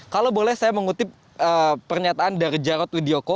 kalau boleh saya mengutip pernyataan dari jarod widyoko